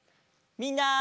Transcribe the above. みんな！